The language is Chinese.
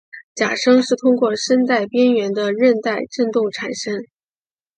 假声是通过声带边缘的韧带振动产生。